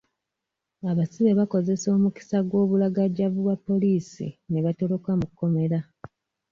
Abasibe bakozesa omukisa gw'obulagajavu bwa poliisi n'ebatoloka mu komera.